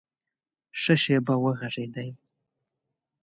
ښه شېبه وږغېدی !